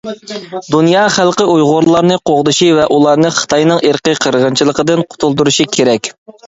دۇنيا خەلقى ئۇيغۇرلارنى قوغدىشى ۋە ئۇلارنى خىتاينىڭ ئىرقىي قىرغىنچىلىقىدىن قۇتۇلدۇرۇشى كېرەك.